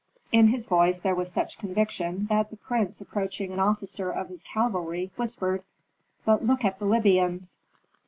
In his voice there was such conviction that the prince approaching an officer of his cavalry whispered, "But look at the Libyans."